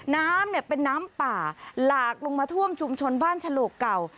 น้ำเนี่ยเป็นน้ำป่าหลากลงมาท่วมชุมชนบ้านฉลกเก่า